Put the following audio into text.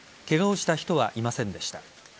ケガをした人はいませんでした。